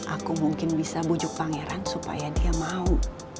aku mungkin bisa bujuk pangeran supaya dia mau